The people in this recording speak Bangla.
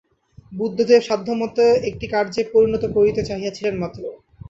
বুদ্ধদেব সাধ্যমত এইটি কার্যে পরিণত করিতে চাহিয়াছিলেন মাত্র।